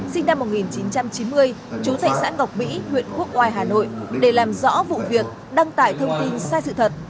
sinh năm một nghìn chín trăm chín mươi chú thị xã ngọc mỹ huyện quốc oai hà nội để làm rõ vụ việc đăng tải thông tin sai sự thật